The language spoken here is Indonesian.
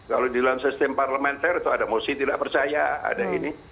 kalau di dalam sistem parlementer itu ada mosi tidak percaya ada ini